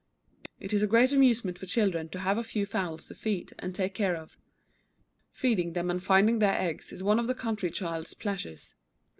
It is a great amusement for children to have a few fowls to feed, and take care of. Feeding them and finding their eggs is one of the country child's pleasures.